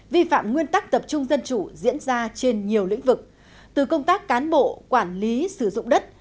vi phạm nguyên tắc tập trung dân chủ diễn ra trên nhiều lĩnh vực từ công tác cán bộ quản lý sử dụng đất